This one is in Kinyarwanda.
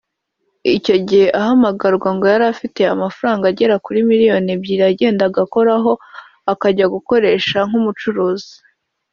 Icyo gihe ahamagarwa ngo yari afiteho amafaranga agera kuri miliyoni ebyiri yagendaga akoraho akajya kuyakoresha nk’umucuruzi